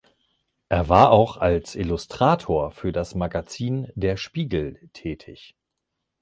Er war auch als Illustrator für das Magazin "Der Spiegel" tätig.